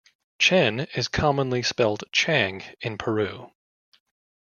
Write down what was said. Chen is commonly spelled Chang in Peru.